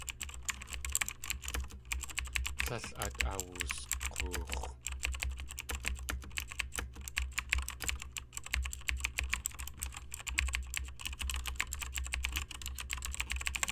Tlél át awusk̲oox̲.